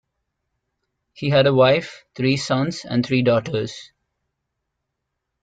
He had a wife, three sons, and three daughters.